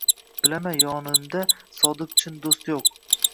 Bilaman yonimda sodiq chin dust yuq